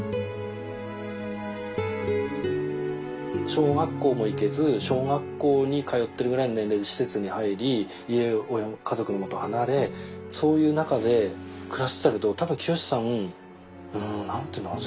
小学校も行けず小学校に通ってるぐらいの年齢で施設に入り家族の元を離れそういう中で暮らしてたけど多分季良さん何て言うのかな